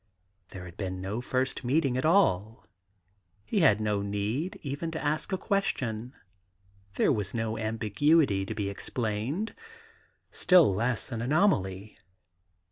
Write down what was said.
There had been no first meeting at all ; he had no need even to ask a question; there was no ambiguity to be ex plained, still less an anomaly.